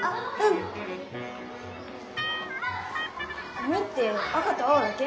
おにって赤と青だけ？